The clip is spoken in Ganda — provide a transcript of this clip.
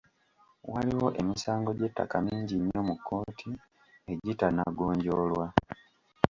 Waliwo emisango gy'ettaka mingi nnyo mu kkooti egitannagonjoolwa.